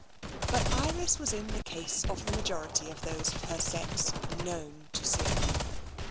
But Iris was in the case of the majority of those of her sex known to sing.